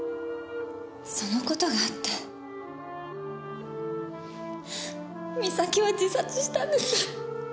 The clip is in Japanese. その事があって美咲は自殺したんです。